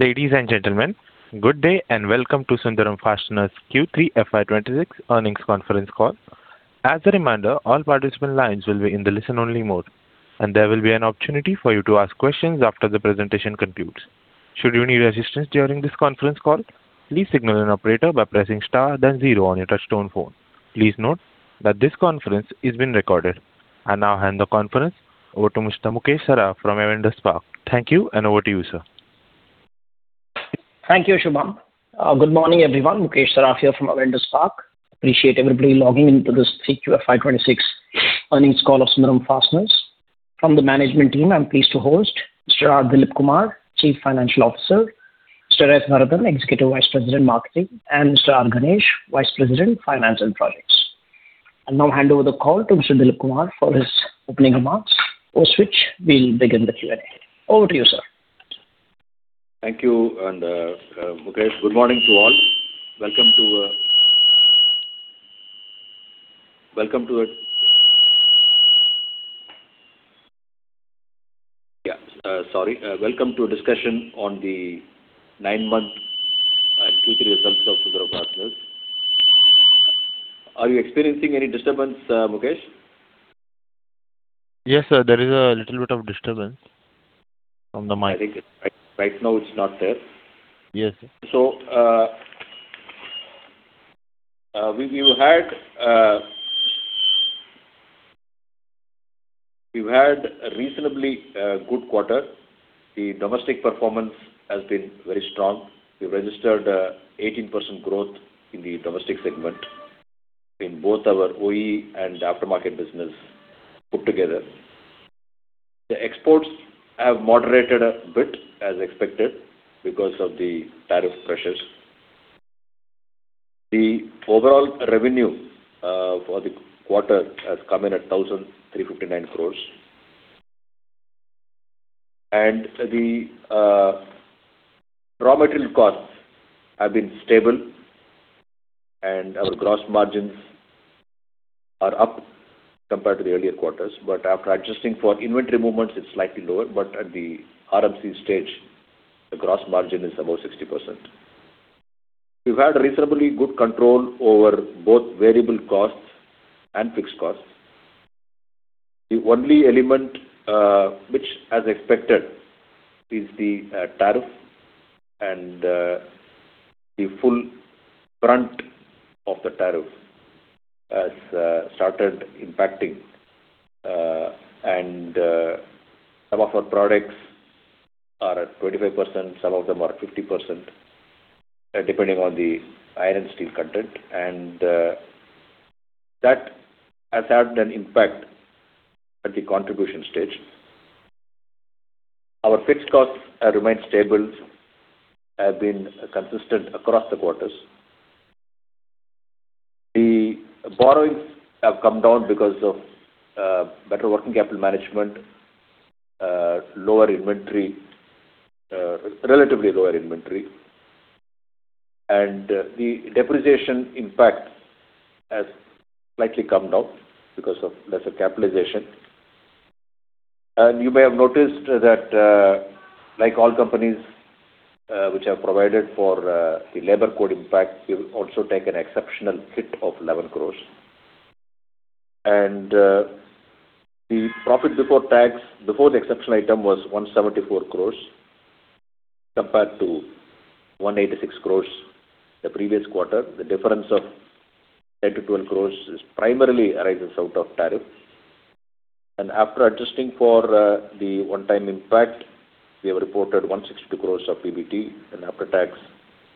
Ladies and gentlemen, good day, and welcome to Sundram Fasteners Q3 FY 2026 Earnings Conference Call. As a reminder, all participant lines will be in the listen-only mode, and there will be an opportunity for you to ask questions after the presentation concludes. Should you need assistance during this conference call, please signal an operator by pressing star then zero on your touch-tone phone. Please note that this conference is being recorded. I now hand the conference over to Mr. Mukesh Saraf from Avendus Capital. Thank you, and over to you, sir. Thank you, Shubham. Good morning, everyone. Mukesh Saraf here from Avendus Capital. Appreciate everybody logging into this Q3 FY 2026 earnings call of Sundram Fasteners. From the management team, I'm pleased to host Mr. R. Dilipkumar, Chief Financial Officer, Mr. S. Narayanan, Executive Vice President, Marketing, and Mr. R. Ganesh, Vice President, Finance and Projects. I'll now hand over the call to Mr. Dilipkumar for his opening remarks, post which we'll begin the Q&A. Over to you, sir. Thank you, and Mukesh, good morning to all. Welcome to a discussion on the nine-month and Q3 results of Sundram Fasteners. Are you experiencing any disturbance, Mukesh? Yes, sir, there is a little bit of disturbance on the mic. I think right, right now, it's not there. Yes, sir. So, we've had a reasonably good quarter. The domestic performance has been very strong. We registered 18% growth in the domestic segment in both our OE and aftermarket business put together. The exports have moderated a bit, as expected, because of the tariff pressures. The overall revenue for the quarter has come in at 1,359 crores. And the raw material costs have been stable, and our gross margins are up compared to the earlier quarters. But after adjusting for inventory movements, it's slightly lower, but at the RMC stage, the gross margin is above 60%. We've had reasonably good control over both variable costs and fixed costs. The only element, which, as expected, is the tariff, and the full brunt of the tariff has started impacting. Some of our products are at 25%, some of them are at 50%, depending on the iron and steel content. That has had an impact at the contribution stage. Our fixed costs have remained stable, have been consistent across the quarters. The borrowings have come down because of better working capital management, lower inventory, relatively lower inventory. The depreciation impact has slightly come down because of lesser capitalization. You may have noticed that, like all companies, which have provided for the labor code impact, we've also taken an exceptional hit of 11 crores. The profit before tax, before the exceptional item, was 174 crores, compared to 186 crores the previous quarter. The difference of 9 crores-12 crores is primarily arises out of tariff. After adjusting for the one-time impact, we have reported 162 crore of PBT and after tax,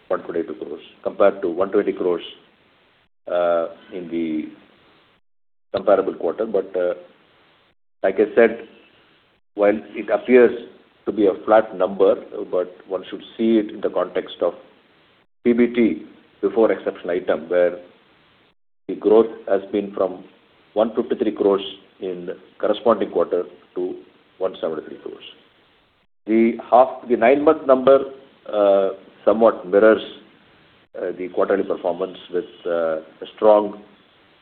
128 crore compared to 120 crore in the comparable quarter. But like I said, while it appears to be a flat number, but one should see it in the context of PBT before exceptional item, where the growth has been from 153 crore in corresponding quarter to 173 crore. The half, the nine-month number somewhat mirrors the quarterly performance with a strong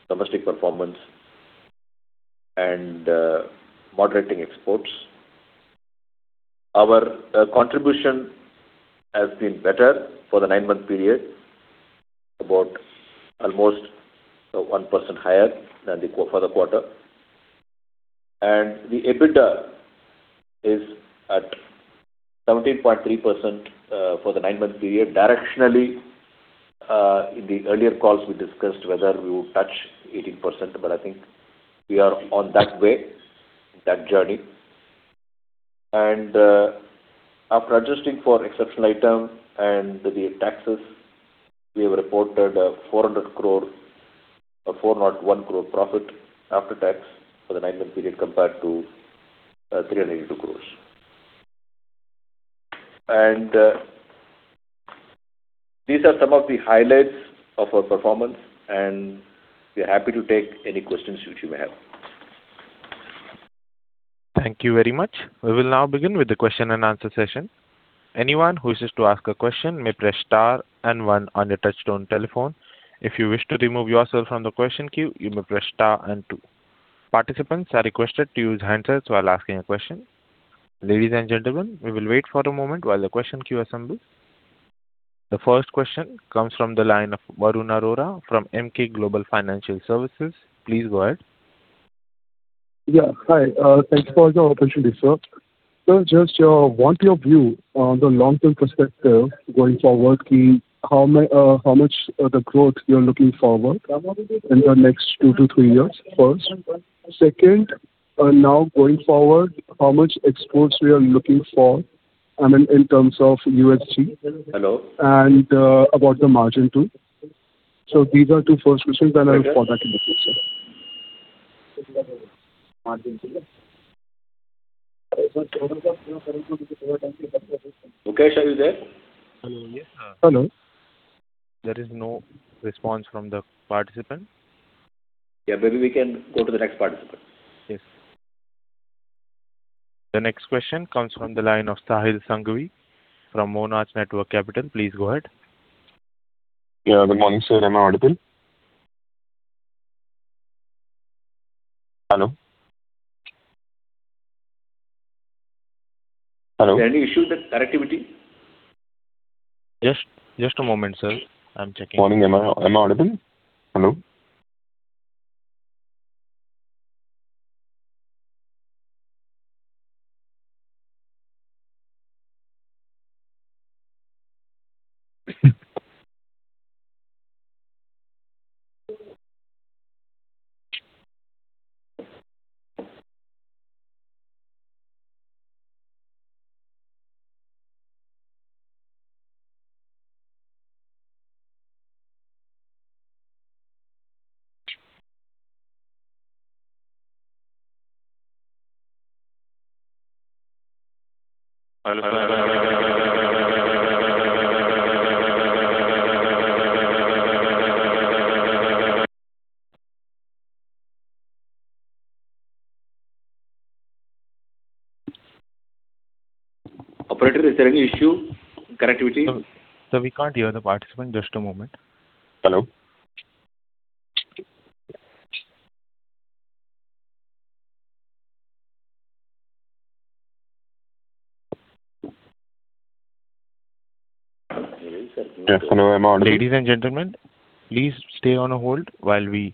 domestic performance and moderating exports. Our contribution has been better for the nine-month period, about almost 1% higher than the quarter. And the EBITDA is at 17.3% for the nine-month period. Directionally, in the earlier calls, we discussed whether we would touch 18%, but I think we are on that way, that journey. And, after adjusting for exceptional item and the taxes, we have reported, 400 crore or 401 crore profit after tax for the nine-month period, compared to, 382 crores. And, these are some of the highlights of our performance, and we're happy to take any questions which you may have. Thank you very much. We will now begin with the question-and-answer session. Anyone who wishes to ask a question may press star and one on your touchtone telephone. If you wish to remove yourself from the question queue, you may press star and two. Participants are requested to use handsets while asking a question. Ladies and gentlemen, we will wait for a moment while the question queue assembles. The first question comes from the line of Varun Arora from Emkay Global Financial Services. Please go ahead. Yeah, hi. Thanks for the opportunity, sir. So just, what's your view on the long-term perspective going forward, ki how may, how much, the growth you're looking forward in the next two to three years, first? Second, now going forward, how much exports we are looking for, I mean, in terms of USD Hello? About the margin, too. These are two first questions, and I look forward to listening, sir. Margin, sir. Mukesh, are you there? Hello, yes. Hello. There is no response from the participant. Yeah, maybe we can go to the next participant. Yes. The next question comes from the line of Sahil Sanghvi, from Monarch Networth Capital. Please go ahead. Yeah, good morning, sir. Am I audible? Hello? Hello. Any issue with the connectivity? Just, just a moment, sir. I'm checking. Morning. Am I, am I audible? Hello? Operator, is there any issue, connectivity? Sir, we can't hear the participant. Just a moment. Hello? Yes, hello, am I audible? Ladies and gentlemen, please stay on hold while we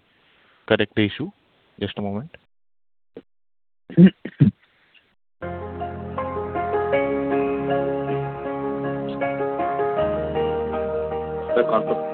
correct the issue. Just a moment. Hello. Yeah, good morning. Am I audible? Yes, sir, you're audible now. Yeah,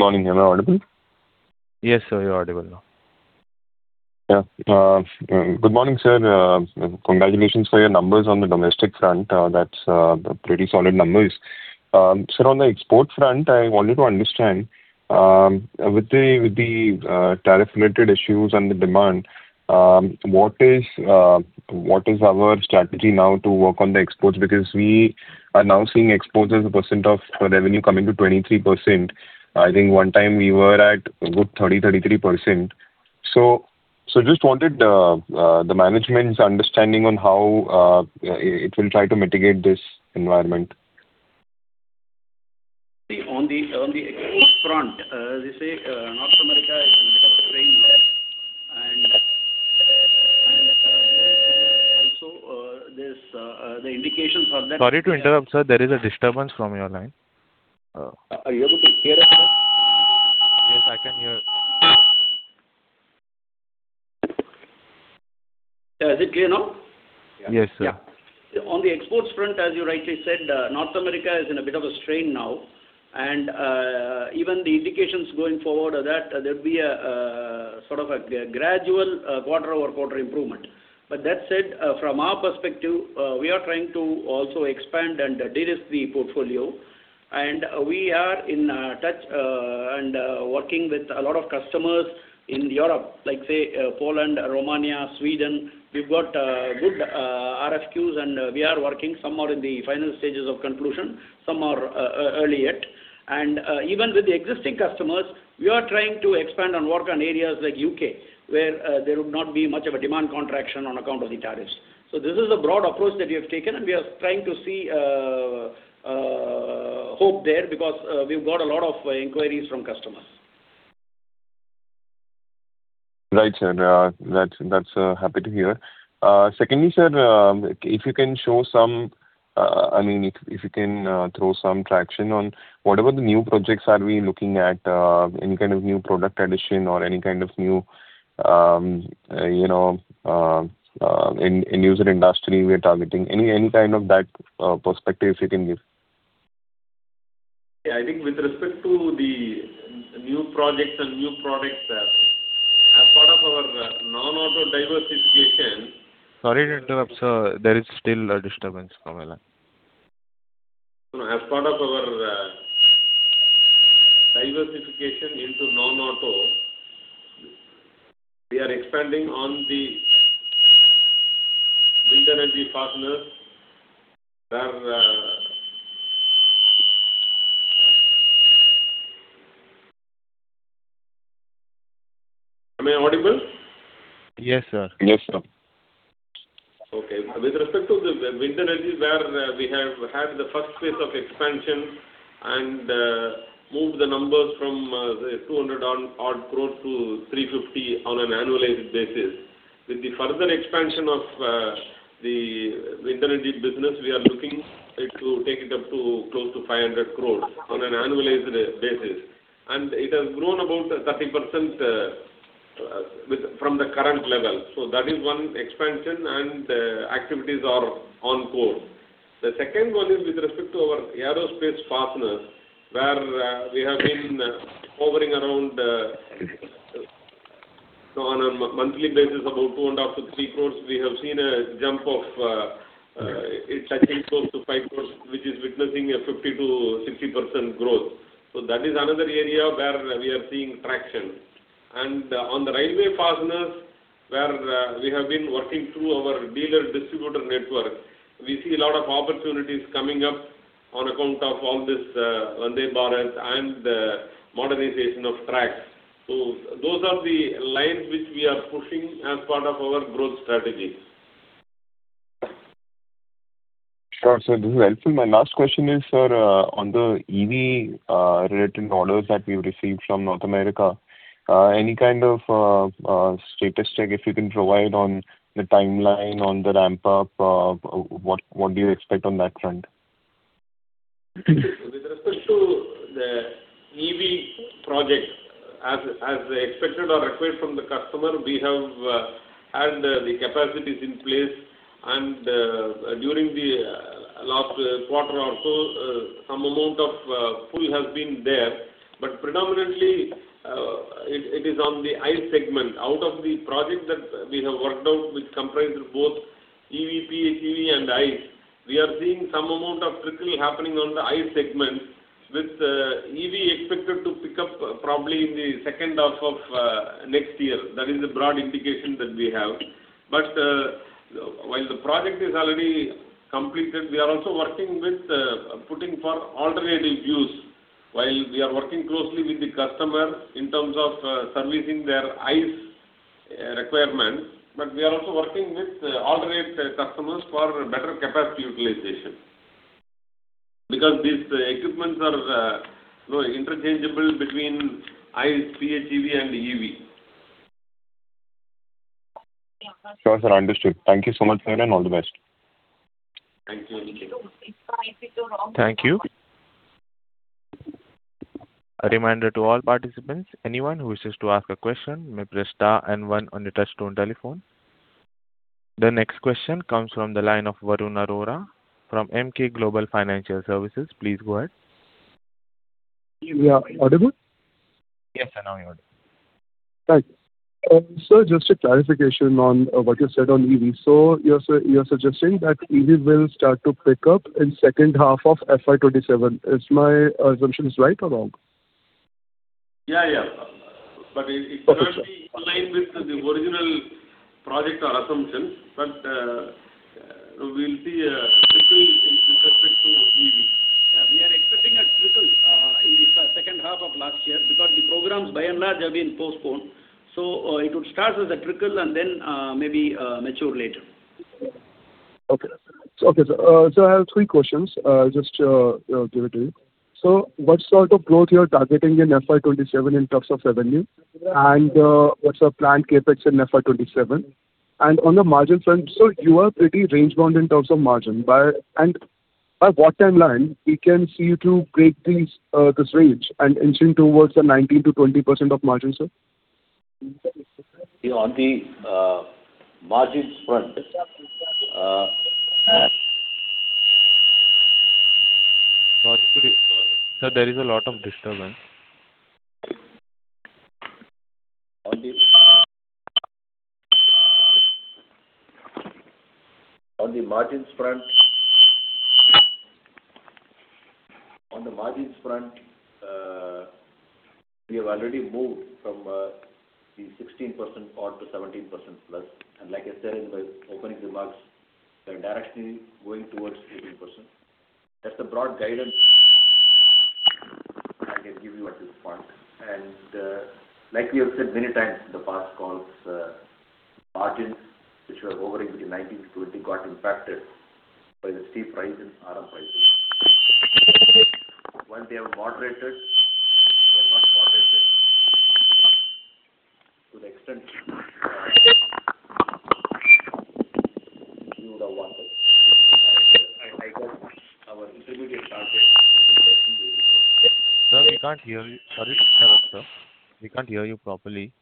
good morning, sir. Congratulations for your numbers on the domestic front. That's pretty solid numbers. Sir, on the export front, I wanted to understand, with the tariff related issues and the demand, what is our strategy now to work on the exports? Because we are now seeing exports as a percent of revenue coming to 23%. I think one time we were at good 30, 33%. So, just wanted the management's understanding on how it will try to mitigate this environment. On the export front, they say North America is in a bit of a strain. Also, there's the indications are that Sorry to interrupt, sir. There is a disturbance from your line. Are you able to hear us now? Yes, I can hear. Is it clear now? Yes, sir. Yeah. On the exports front, as you rightly said, North America is in a bit of a strain now. And, even the indications going forward are that there'll be a sort of a gradual quarter-over-quarter improvement. But that said, from our perspective, we are trying to also expand and diversify the portfolio. And, we are in touch and working with a lot of customers in Europe, like, say, Poland, Romania, Sweden. We've got good RFQs, and we are working. Some are in the final stages of conclusion, some are early yet. And, even with the existing customers, we are trying to expand and work on areas like U.K., where there would not be much of a demand contraction on account of the tariffs. So this is the broad approach that we have taken, and we are trying to see hope there, because we've got a lot of inquiries from customers. Right, sir. That's happy to hear. Secondly, sir, if you can show some. I mean, if you can throw some traction on what other the new projects are we looking at, any kind of new product addition or any kind of new... you know, in user industry we are targeting. Any kind of that perspective you can give? I think with respect to the new projects and new products, as part of our non-auto diversification- Sorry to interrupt, sir. There is still a disturbance coming up. As part of our diversification into non-auto, we are expanding on the wind energy fasteners, where. Am I audible? Yes, sir. Yes, sir. Okay. With respect to the wind energy, where we have had the first phase of expansion and moved the numbers from 200-odd crore to 350 on an annualized basis. With the further expansion of the wind energy business, we are looking it to take it up to close to 500 crores on an annualized basis, and it has grown about 30%, from the current level. So that is one expansion, and activities are on course. The second one is with respect to our aerospace fasteners, where we have been hovering around, on a monthly basis, about 2.5-3 crores. We have seen a jump of it touching close to 5 crores, which is witnessing a 50%-60% growth. That is another area where we are seeing traction. On the railway fasteners, where we have been working through our dealer distributor network, we see a lot of opportunities coming up on account of all this, Vande Bharat and the modernization of tracks. Those are the lines which we are pushing as part of our growth strategy. Sure, sir, this is helpful. My last question is, sir, on the EV related orders that we've received from North America, any kind of status check, if you can provide on the timeline, on the ramp-up, what, what do you expect on that front? With respect to the EV project, as expected or required from the customer, we have had the capacities in place, and during the last quarter or so, some amount of pull has been there. But predominantly, it is on the ICE segment. Out of the projects that we have worked out, which comprise of both EV, PHEV, and ICE, we are seeing some amount of trickle happening on the ICE segment, with EV expected to pick up probably in the second half of next year. That is the broad indication that we have. But while the project is already completed, we are also working with putting for alternative use, while we are working closely with the customer in terms of servicing their ICE requirements. But we are also working with alternate customers for better capacity utilization. Because these equipments are, you know, interchangeable between ICE, PHEV, and EV. Sure, sir. Understood. Thank you so much, sir, and all the best. Thank you, Aniket. Thank you. A reminder to all participants, anyone who wishes to ask a question may press star and one on your touchtone telephone. The next question comes from the line of Varun Arora from Emkay Global Financial Services. Please go ahead. We are audible? Yes, sir, now you are audible. Right. So just a clarification on what you said on EV. So you're suggesting that EV will start to pick up in second half of FY 27. Is my assumptions right or wrong? Yeah, yeah. Okay, sir. But it, it will be in line with the original project or assumption, but we'll see a trickle in respect to EV. Yeah, we are expecting a trickle in the second half of last year, because the programs, by and large, have been postponed. So, it would start with a trickle and then, maybe, mature later. Okay. Okay, sir. So I have three questions. I'll just give it to you. So what sort of growth you are targeting in FY 2027 in terms of revenue? And what's your planned CapEx in FY 2027? And on the margin front, sir, you are pretty range bound in terms of margin. By... And by what timeline we can see you to break these this range and inching towards the 19%-20% of margin, sir? On the margins front, Sorry, sir, there is a lot of disturbance. On the margins front, we have already moved from the 16% odd to 17% plus. And like I said in my opening remarks, we are directly going towards 18%. That's the broad guidance I can give you at this point. And, like we have said many times in the past calls, margins, which were hovering between 19%-20%, got impacted by the steep rise in RM prices. Once they have moderated, they are not moderated to the extent- Sir, we can't hear you. Sorry, sir, we can't hear you properly.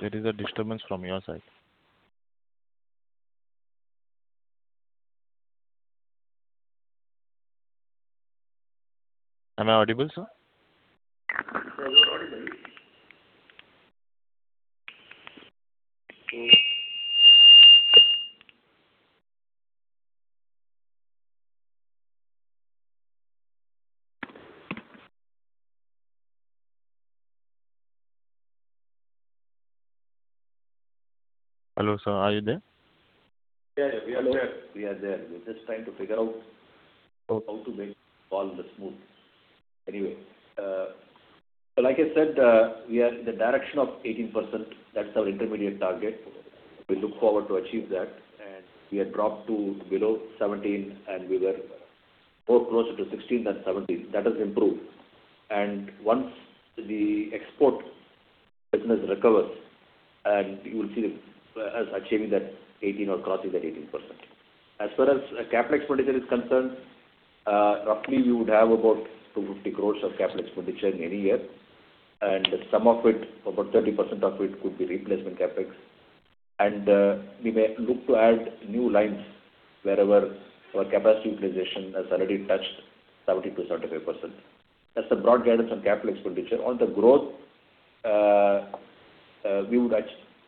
There is a disturbance from your side. Am I audible, sir? Yes, you are audible. Hello, sir. Are you there? Yeah, yeah, we are here. We are there. We're just trying to figure out how to make the call smooth. Anyway, so like I said, we are in the direction of 18%. That's our intermediate target. We look forward to achieve that, and we have dropped to below 17, and we were more closer to 16 than 17. That has improved. And once the export business recovers, and you will see us achieving that 18 or crossing that 18%. As far as CapEx expenditure is concerned, roughly we would have about 250 crores of CapEx expenditure in any year, and some of it, about 30% of it, could be replacement CapEx. And we may look to add new lines wherever our capacity utilization has already touched 70%-75%. That's the broad guidance on capital expenditure. On the growth, we would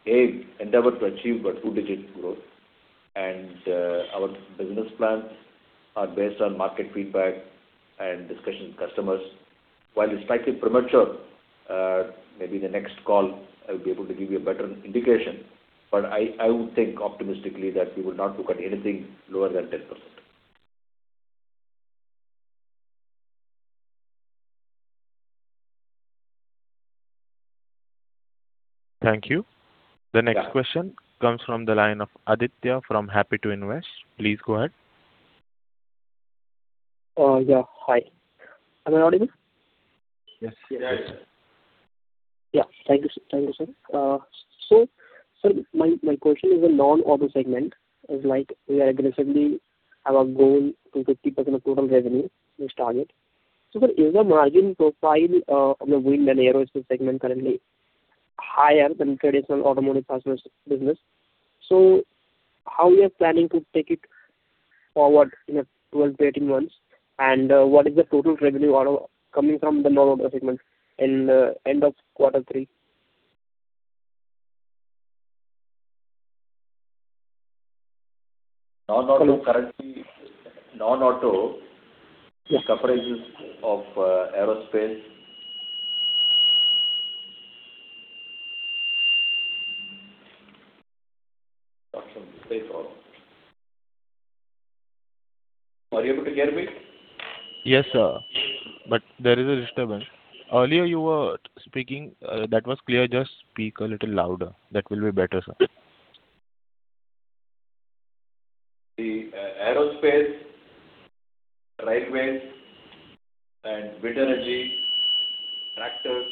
aim, endeavor to achieve a two-digit growth, and our business plans are based on market feedback and discussion with customers. While it's slightly premature, maybe in the next call, I'll be able to give you a better indication, but I would think optimistically that we will not look at anything lower than 10%. Thank you. The next question comes from the line of Aditya from Happy to Invest. Please go ahead. Yeah, hi. Am I audible? Yes. Yes. Yeah. Thank you. Thank you, sir. So, sir, my question is on non-auto segment. It's like we aggressively have a goal to 50% of total revenue, this target. So is the margin profile on the wind and aerospace segment currently higher than traditional automotive customers business? So how we are planning to take it forward in the 12-18 months, and what is the total revenue auto coming from the non-auto segment in the end of quarter three? Non-auto currently. Yes. Comprises of, aerospace. Are you able to hear me? Yes, sir, but there is a disturbance. Earlier, you were speaking, that was clear. Just speak a little louder. That will be better, sir. The aerospace, railways, and wind energy, tractors,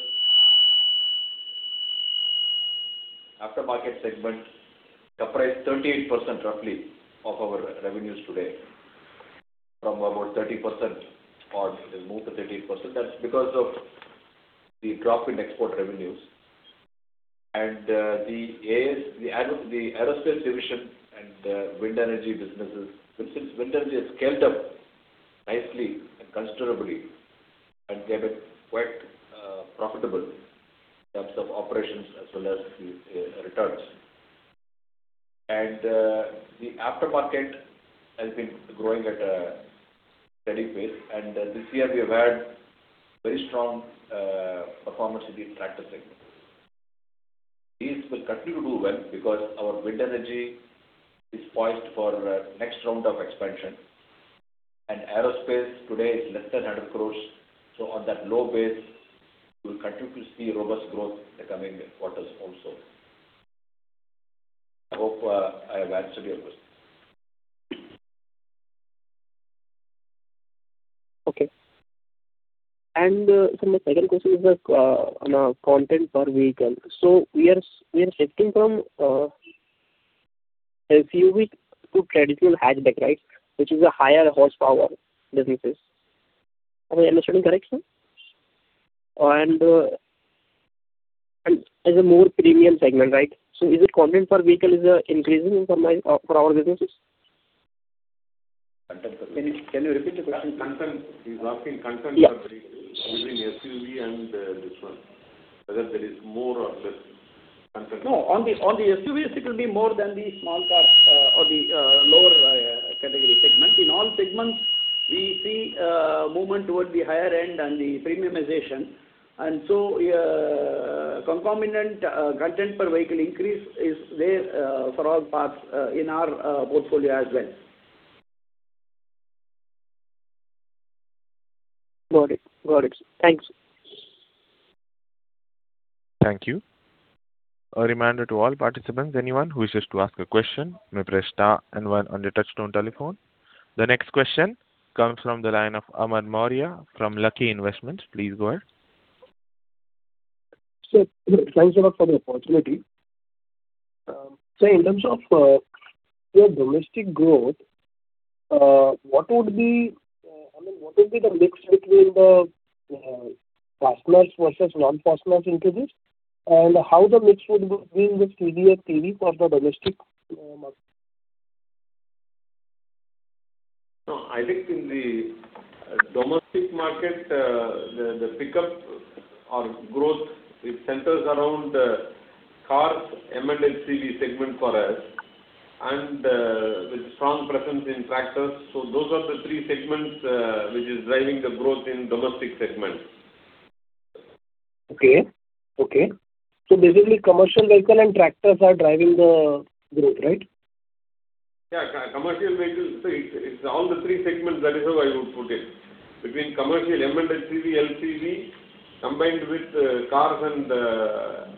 aftermarket segment comprise 38%, roughly, of our revenues today, from about 30% or it has moved to 13%. That's because of the drop in export revenues. And the aerospace division and the wind energy businesses, since wind energy has scaled up nicely and considerably and became quite profitable in terms of operations as well as the returns. And the aftermarket has been growing at a steady pace, and this year we have had very strong performance in the tractor segment. These will continue to do well because our wind energy is poised for the next round of expansion, and aerospace today is less than 100 crore. So on that low base, we'll continue to see robust growth in the coming quarters also. I hope I have answered your question. Okay. And so my second question is on our content per vehicle. So we are shifting from SUV to traditional hatchback, right? Which is a higher horsepower businesses. Am I understanding correct, sir? And and is a more premium segment, right? So is it content per vehicle increasing in terms of for our businesses? Content. Can you, can you repeat the question? Content. He's asking content per vehicle Yeah. Between SUV and, this one, whether there is more or less content. No, on the SUVs it will be more than the small cars, or the lower category segment. In all segments, we see movement towards the higher end and the premiumization. And so, concomitant content per vehicle increase is there, for all parts, in our portfolio as well. Got it. Got it. Thanks. Thank you. A reminder to all participants, anyone who wishes to ask a question, may press star and one on your touchtone telephone. The next question comes from the line of Amar Maurya from Lucky Investments. Please go ahead. So, thanks a lot for the opportunity. So in terms of your domestic growth, what would be, I mean, what would be the mix between the fasteners versus non-fasteners into this? And how the mix would be in the CV and TW for the domestic market? No, I think in the domestic market, the pickup or growth, it centers around cars, M&HCV segment for us, and with strong presence in tractors. So those are the three segments, which is driving the growth in domestic segment. Okay, okay. Basically, commercial vehicle and tractors are driving the growth, right? Yeah, commercial vehicles. So it's all the three segments, that is how I would put it. Between commercial M&HCV, LCV, combined with cars and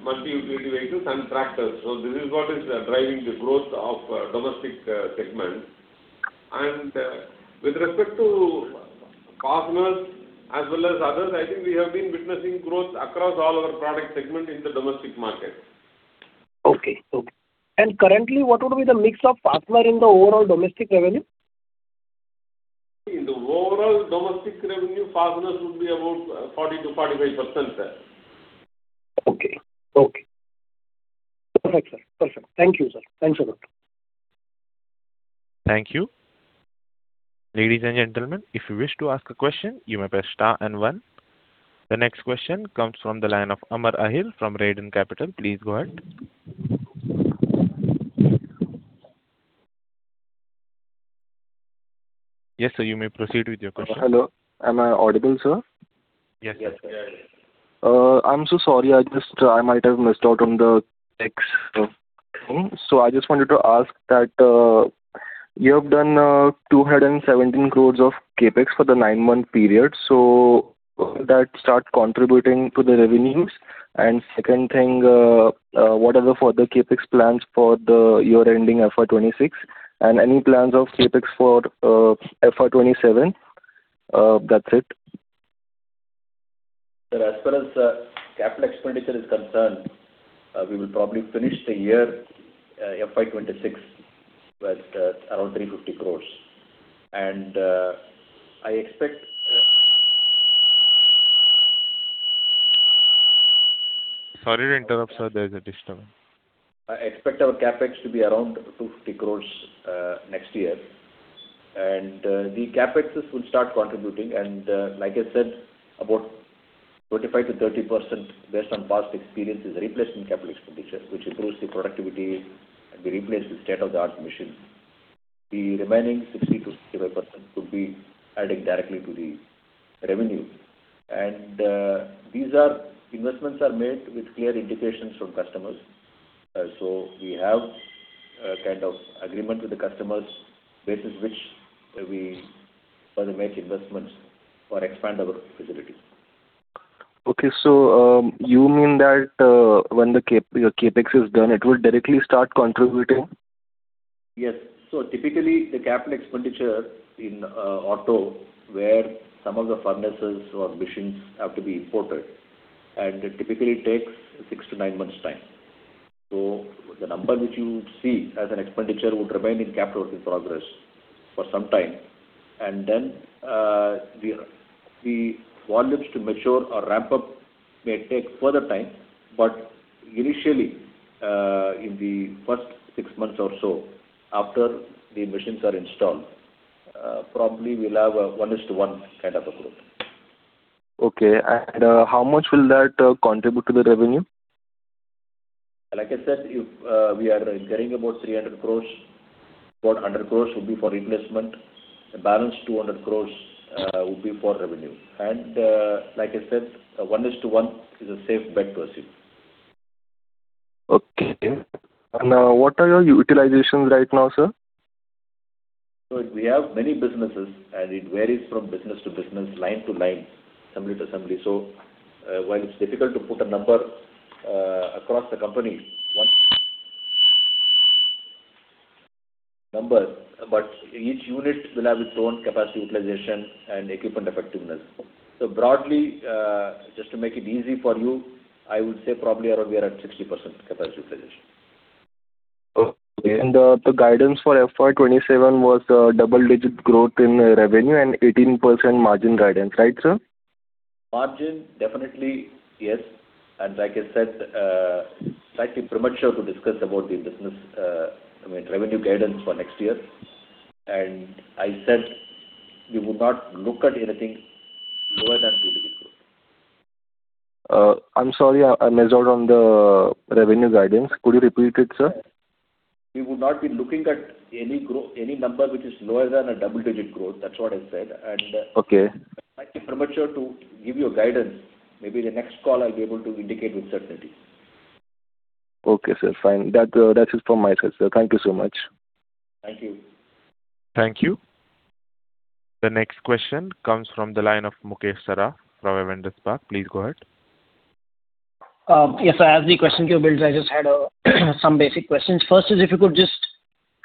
multi-utility vehicles and tractors. So this is what is driving the growth of domestic segment. And with respect to fasteners as well as others, I think we have been witnessing growth across all our product segment in the domestic market. Okay, okay. Currently, what would be the mix of fastener in the overall domestic revenue? In the overall domestic revenue, fasteners would be about 40%-45%, sir. Okay, okay. Perfect, sir. Perfect. Thank you, sir. Thanks a lot. Thank you. Ladies and gentlemen, if you wish to ask a question, you may press star and one. The next question comes from the line of Amar Ahil from Radian Capital. Please go ahead. Yes, sir, you may proceed with your question. Hello. Am I audible, sir? Yes, yes, you are. I'm so sorry, I just, I might have missed out on the next thing. So I just wanted to ask that, you have done 217 crore of CapEx for the nine-month period, so will that start contributing to the revenues? And second thing, what are the further CapEx plans for the year ending FY 2026? And any plans of CapEx for FY 2027? That's it. So as far as capital expenditure is concerned, we will probably finish the year, FY 2026, with around 350 crore. And I expect- Sorry to interrupt, sir, there is a disturbance. I expect our CapEx to be around 250 crores next year. The CapExes will start contributing, and like I said, about 25%-30% based on past experience is replacement capital expenditure, which improves the productivity, and we replace with state-of-the-art machine. The remaining 60%-65% would be adding directly to the revenue. These are investments are made with clear indications from customers. So we have a kind of agreement with the customers, basis which we further make investments or expand our facilities. Okay, so, you mean that, when the CapEx is done, it will directly start contributing? Yes. So typically, the capital expenditure in auto, where some of the furnaces or machines have to be imported, and it typically takes 6-9 months time. So the number which you see as an expenditure would remain in capital in progress for some time. And then, the volumes to mature or ramp up may take further time, but initially, in the first 6 months or so, after the machines are installed, probably we'll have a 1-to-1 kind of approach. Okay. How much will that contribute to the revenue? Like I said, if we are getting about 300 crore, about 100 crore would be for investment, the balance 200 crore would be for revenue. And, like I said, 1:1 is a safe bet to assume. Okay. And, what are your utilizations right now, sir? So we have many businesses, and it varies from business to business, line to line, assembly to assembly. So, while it's difficult to put a number, across the company, one number, but each unit will have its own capacity utilization and equipment effectiveness. So broadly, just to make it easy for you, I would say probably around we are at 60% capacity utilization. Okay. And, the guidance for FY 2027 was, double-digit growth in, revenue and 18% margin guidance, right, sir? Margin, definitely, yes. And like I said, slightly premature to discuss about the business, I mean, revenue guidance for next year. And I said we would not look at anything lower than double-digit growth. I'm sorry, I missed out on the revenue guidance. Could you repeat it, sir? We would not be looking at any growth any number which is lower than a double-digit growth. That's what I said. And- Okay. Slightly premature to give you a guidance. Maybe the next call I'll be able to indicate with certainty. Okay, sir. Fine. That, that's it from my side, sir. Thank you so much. Thank you. Thank you. The next question comes from the line of Mukesh Saraf from Avendus Capital Private Limited. Please go ahead. Yes, I have the question queue built. I just had some basic questions. First is, if you could just-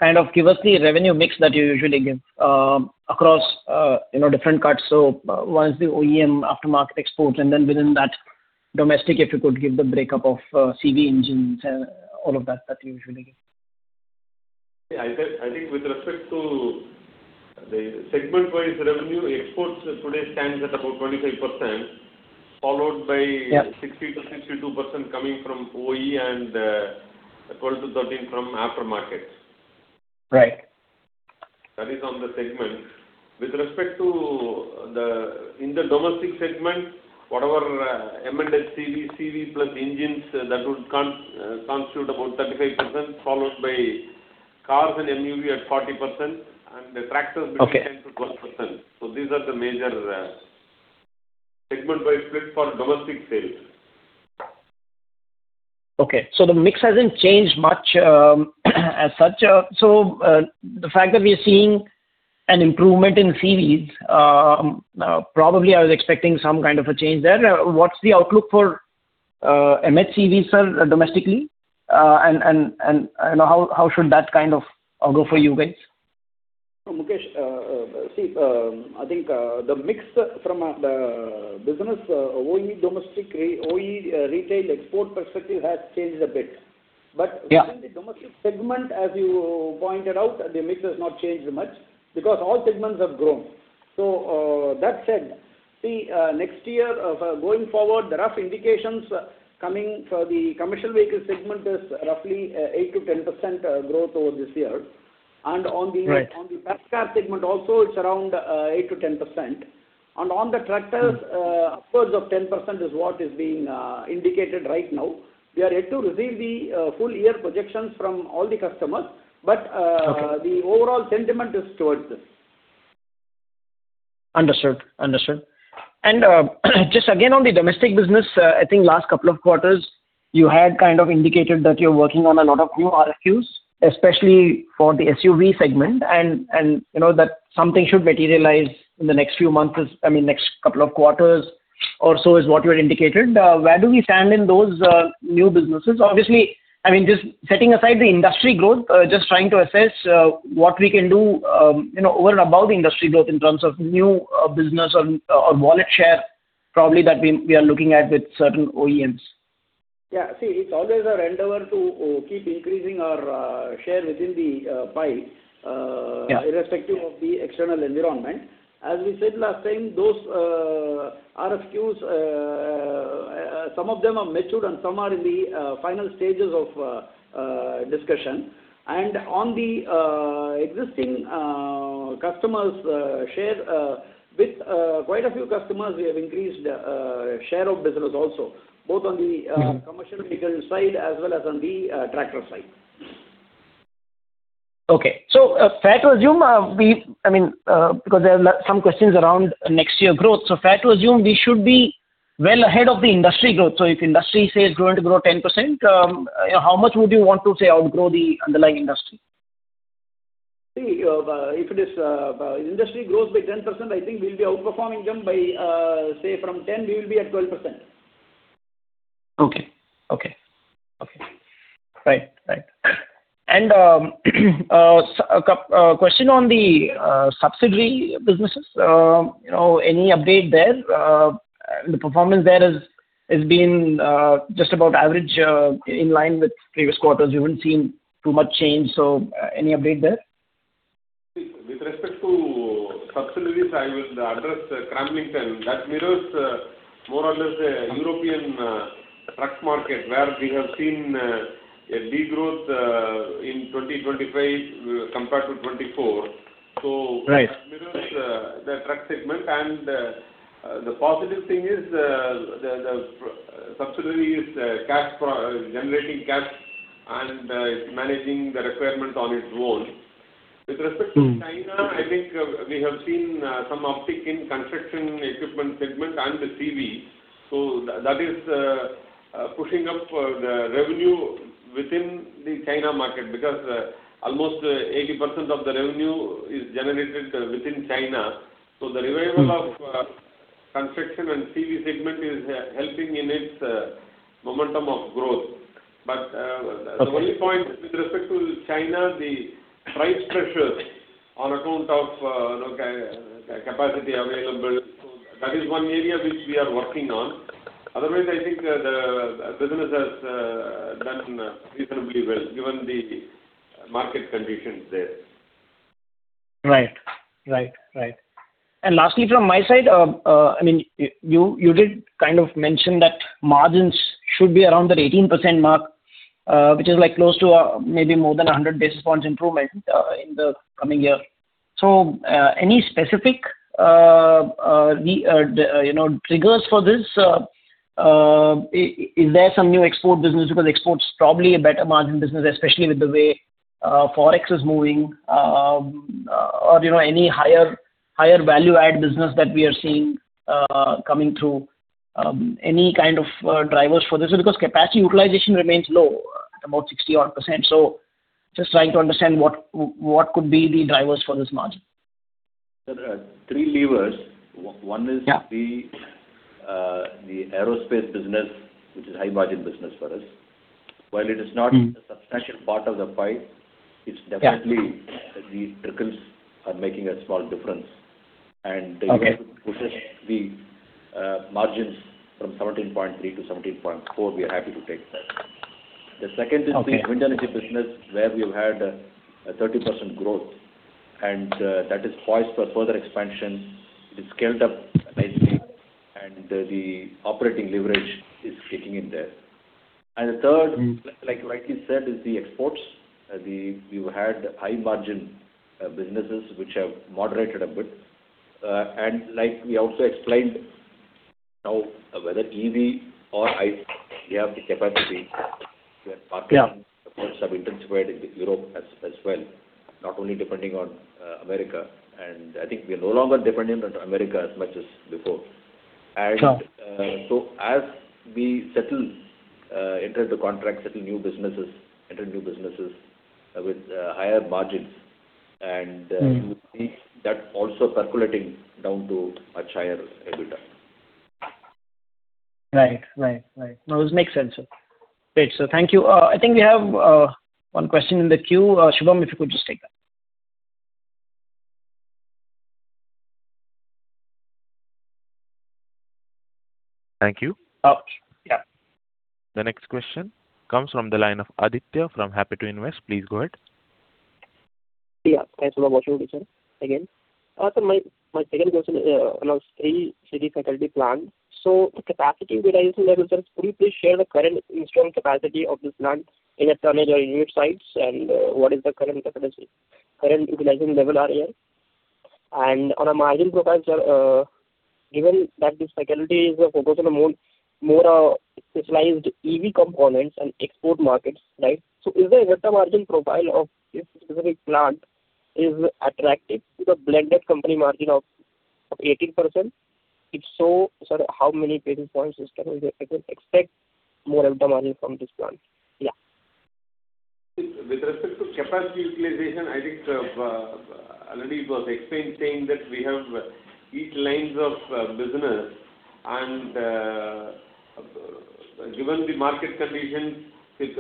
kind of give us the revenue mix that you usually give, across, you know, different cuts. So one is the OEM, aftermarket, exports, and then within that, domestic, if you could give the breakup of, CV engines and all of that, that you usually give. I think, I think with respect to the segment-wise revenue, exports today stands at about 25%, followed by- Yeah. 60-62% coming from OE and 12-13% from aftermarket. Right. That is on the segment. With respect to the domestic segment, whatever M&HCV, CV plus engines, that would constitute about 35%, followed by cars and MUV at 40%, and the tractors- Okay. Between 10%-12%. So these are the major, segment-wise split for domestic sales. Okay. So the mix hasn't changed much, as such. The fact that we are seeing an improvement in CVs, probably I was expecting some kind of a change there. What's the outlook for MHCV, sir, domestically? And how should that kind of go for you guys? Mukesh, I think the mix from the business, OE domestic, OE, retail export perspective has changed a bit. Yeah. But within the domestic segment, as you pointed out, the mix has not changed much because all segments have grown. So, that said, next year, going forward, there are indications coming for the commercial vehicle segment is roughly, 8%-10% growth over this year. And on the- Right on the personal car segment also, it's around 8%-10%. And on the tractors, upwards of 10% is what is being indicated right now. We are yet to receive the full year projections from all the customers. Okay. The overall sentiment is towards this. Understood. Understood. Just again, on the domestic business, I think last couple of quarters, you had kind of indicated that you're working on a lot of new RFQs, especially for the SUV segment, and you know, that something should materialize in the next few months, I mean, next couple of quarters or so, is what you had indicated. Where do we stand in those new businesses? Obviously, I mean, just setting aside the industry growth, just trying to assess what we can do, you know, over and above the industry growth in terms of new business or wallet share, probably, that we are looking at with certain OEMs. Yeah. See, it's always our endeavor to keep increasing our share within the pie, Yeah irrespective of the external environment. As we said last time, those RFQs, some of them are matured and some are in the final stages of discussion. And on the existing customers share, with quite a few customers, we have increased share of business also, both on the- Yeah commercial vehicle side as well as on the, tractor side. Okay. So, fair to assume, I mean, because there are some questions around next year growth. So fair to assume we should be well ahead of the industry growth. So if industry, say, is going to grow 10%, how much would you want to, say, outgrow the underlying industry? See, if it is, industry grows by 10%, I think we'll be outperforming them by, say, from 10, we will be at 12%. So a question on the subsidiary businesses. You know, any update there? The performance there has been just about average, in line with previous quarters. We haven't seen too much change, so any update there? With respect to subsidiaries, I will address Cramlington. That mirrors more or less a European truck market, where we have seen a deep growth in 2025 compared to 2024. Right. So that mirrors the truck segment. The positive thing is, the subsidiary is cash-generating cash and is managing the requirements on its own. With respect to China, I think, we have seen some uptick in construction equipment segment and the CV. So that is pushing up the revenue within the China market, because almost 80% of the revenue is generated within China. The revival of construction and CV segment is helping in its momentum of growth. Okay. But, the only point with respect to China, the price pressures on account of, capacity available, so that is one area which we are working on. Otherwise, I think, the business has, done reasonably well, given the market conditions there. Right. Right, right. And lastly, from my side, I mean, you did kind of mention that margins should be around that 18% mark, which is like close to, maybe more than 100 basis points improvement, in the coming year. So, any specific, you know, triggers for this? Is there some new export business? Because export is probably a better margin business, especially with the way, Forex is moving, or, you know, any higher, higher value-add business that we are seeing, coming through, any kind of, drivers for this? Because capacity utilization remains low, about 60-odd%. So just trying to understand what, what could be the drivers for this margin. There are three levers. Yeah. One is the aerospace business, which is high-margin business for us, while it is not- Mm. a substantial part of the pie, it's definitely Yeah. The trickles are making a small difference. Okay. The margins from 17.3% to 17.4%. We are happy to take that. Okay. The second is the wind energy business, where we've had a 30% growth, and that is poised for further expansion. It's scaled up nicely, and the operating leverage is kicking in there. And the third- Mm. Like, like you said, is the exports. We've had high-margin businesses which have moderated a bit. And like we also explained, now, whether EV or ICE, we have the capacity. Yeah. We are partnering, of course, have intensified in Europe as, as well, not only depending on, America, and I think we are no longer dependent on America as much as before. Sure. So as we settle, enter into contracts, settle new businesses, enter new businesses with higher margins, and Mm. You see that also percolating down to much higher EBITDA. Right. Right. Right. No, it makes sense, sir. Great, so thank you. I think we have one question in the queue. Shubham, if you could just take that. Thank you. Uh, yeah. The next question comes from the line of Aditya from Happy to Invest. Please go ahead. Yeah, thanks for the opportunity, sir, again. So my second question on our Sri City facility plant. So the capacity utilization level, sir, could you please share the current installed capacity of this plant in a tonnage or units, and what is the current capacity, current utilization level here? And on a margin profile, sir, given that this facility is focused on a more specialized EV components and export markets, right? So is the EBITDA margin profile of this specific plant attractive to the blended company margin of 18%? If so, sir, how many basis points can we expect more EBITDA margin from this plant? Yeah. With respect to capacity utilization, I think already it was explained saying that we have eight lines of business, and given the market conditions, it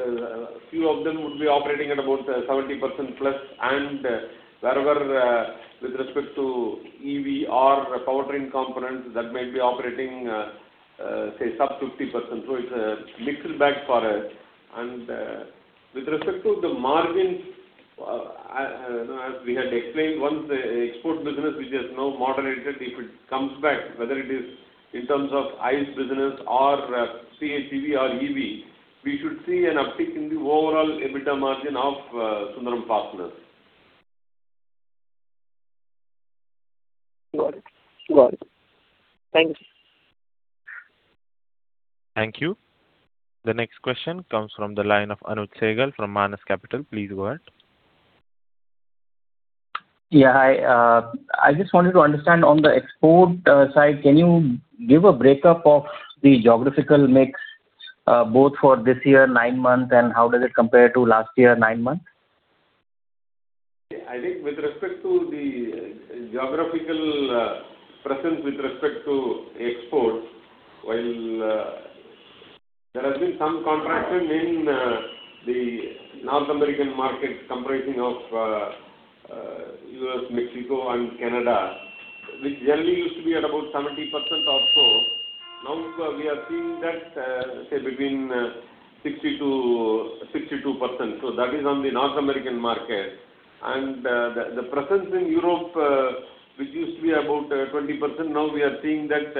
few of them would be operating at about 70%+, and wherever with respect to EV or powertrain components, that might be operating, say, sub 50%. So it's a mixed bag for us. And with respect to the margins, as we had explained, once the export business, which has now moderated, if it comes back, whether it is in terms of ICE business or CV or EV, we should see an uptick in the overall EBITDA margin of Sundram Fasteners. Got it. Got it. Thank you. Thank you. The next question comes from the line of Anuj Sehgal from Manas Capital. Please go ahead. Yeah, hi. I just wanted to understand on the export side, can you give a breakup of the geographical mix, both for this year, nine months, and how does it compare to last year, nine months? I think with respect to the geographical presence with respect to export, while there has been some contraction in the North American market, comprising of U.S., Mexico and Canada, which generally used to be at about 70% or so, now we are seeing that, say between 60%-62%. So that is on the North American market. And the presence in Europe, which used to be about 20%, now we are seeing that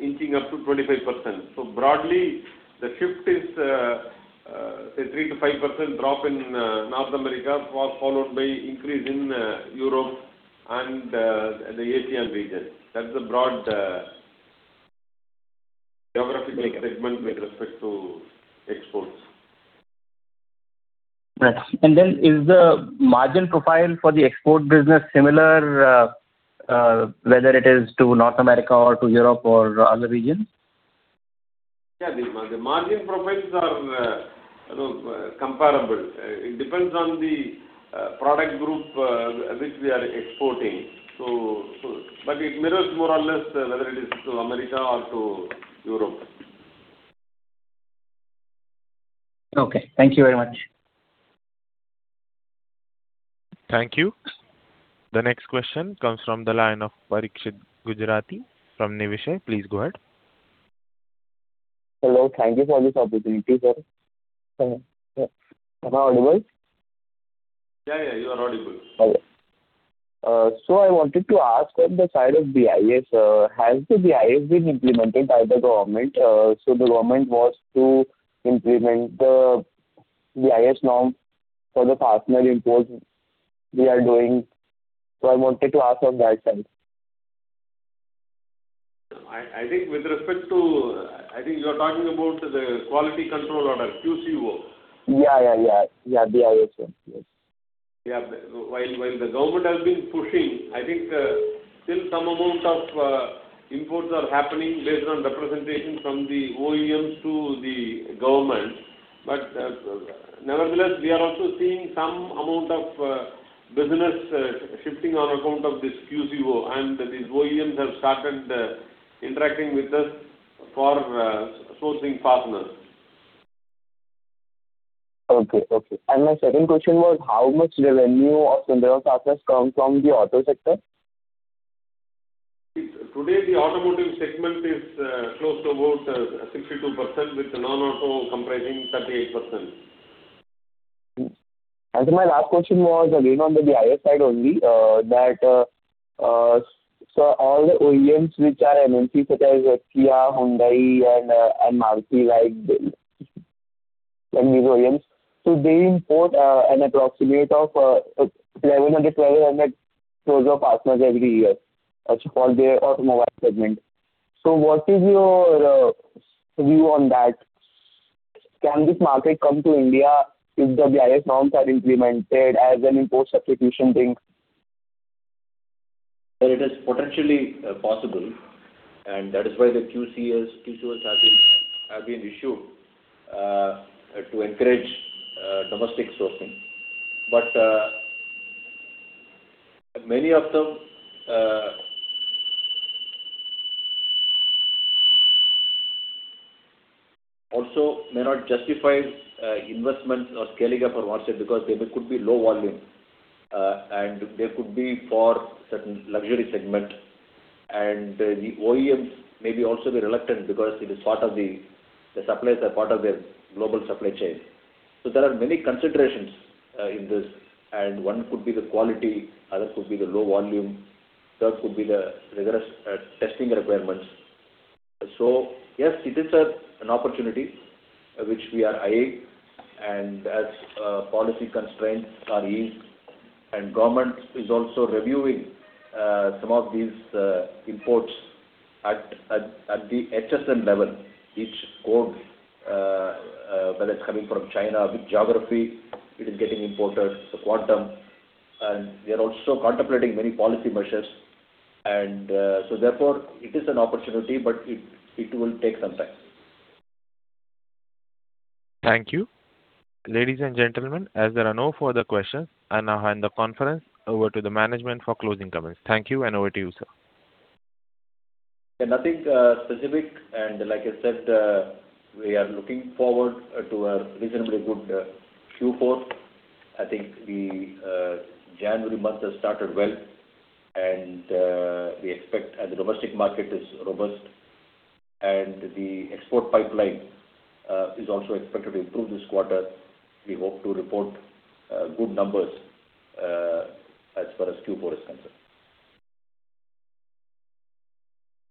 inching up to 25%. So broadly, the shift is, say 3%-5% drop in North America, followed by increase in Europe and the APAC region. That's the broad geographical segment with respect to exports. Right. And then is the margin profile for the export business similar, whether it is to North America or to Europe or other regions? Yeah, the margin profiles are, you know, comparable. It depends on the product group which we are exporting. But it mirrors more or less, whether it is to America or to Europe. Okay. Thank you very much. Thank you. The next question comes from the line of Parikshit Gujarati from Nivesh India. Please go ahead. Hello. Thank you for this opportunity, sir. Am I audible? Yeah, yeah, you are audible. Okay. So I wanted to ask on the side of BIS, has the BIS been implemented by the government? So the government was to implement the BIS norm for the fastener import we are doing. So I wanted to ask on that side. I think with respect to... I think you are talking about the Quality Control Order, QCO. Yeah, yeah, yeah. Yeah, BIS, yes. Yeah. While the government has been pushing, I think, still some amount of imports are happening based on representation from the OEMs to the government. But nevertheless, we are also seeing some amount of business shifting on account of this QCO, and these OEMs have started interacting with us for sourcing fasteners. Okay, okay. My second question was, how much revenue of Sundram Fasteners come from the auto sector? Today, the automotive segment is close to about 62%, with the non-auto comprising 38%. My last question was, again, on the higher side only, that, so all the OEMs which are MNC, such as Kia, Hyundai, and Maruti, like, the, and these OEMs, so they import an approximate of 1,100, 1,200 closure fasteners every year for their automobile segment. So what is your view on that? Can this market come to India if the BIS norms are implemented as an import substitution thing? Well, it is potentially possible, and that is why the QCOs have been issued to encourage domestic sourcing. But many of them also may not justify investments or scaling up for one step, because they could be low volume, and they could be for certain luxury segment. And the OEMs may also be reluctant, because it is part of the suppliers are part of their global supply chain. So there are many considerations in this, and one could be the quality, other could be the low volume, third could be the rigorous testing requirements. So yes, it is an opportunity which we are eyeing, and as policy constraints are eased, and government is also reviewing some of these imports at the HSN level, each code, whether it's coming from China, with geography, it is getting imported, the quantum, and we are also contemplating many policy measures. So therefore, it is an opportunity, but it will take some time. Thank you. Ladies and gentlemen, as there are no further questions, I now hand the conference over to the management for closing comments. Thank you, and over to you, sir. Nothing specific, and like I said, we are looking forward to a reasonably good Q4. I think the January month has started well, and we expect - and the domestic market is robust, and the export pipeline is also expected to improve this quarter. We hope to report good numbers as far as Q4 is concerned.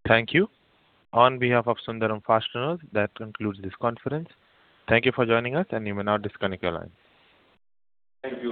Thank you. On behalf of Sundram Fasteners, that concludes this conference. Thank you for joining us, and you may now disconnect your line. Thank you.